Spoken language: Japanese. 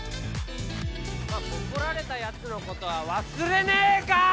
ボコられたやつのことは忘れねえか！